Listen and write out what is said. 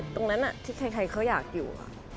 ตรงนั้นที่ใครเขาอยากอยู่